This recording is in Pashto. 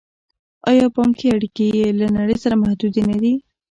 آیا بانکي اړیکې یې له نړۍ سره محدودې نه دي؟